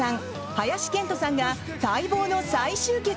林遣都さんが待望の再集結。